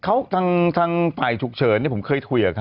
เขาทางฝ่ายฉุกเฉินผมเคยคุยกับเขา